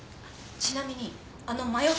ちなみにあの魔除